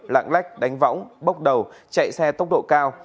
lạng lách đánh võng bốc đầu chạy xe tốc độ cao